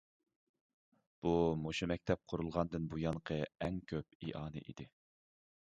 بۇ مۇشۇ مەكتەپ قۇرۇلغاندىن بۇيانقى ئەڭ كۆپ ئىئانە ئىدى.